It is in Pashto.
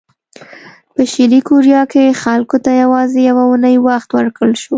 په شلي کوریا کې خلکو ته یوازې یوه اونۍ وخت ورکړل شو.